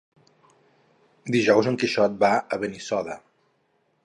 Dijous en Quixot va a Benissoda.